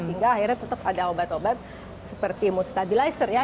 sehingga akhirnya tetap ada obat obat seperti mood stabilizer ya